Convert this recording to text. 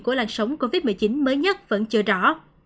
của làn sóng covid một mươi chín mới nhất vẫn chưa rõ